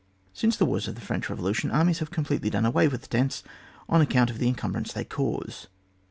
Hince the wars of the French Eevolu tion, armies have completely done away with the tents on account of the encum brance they cause.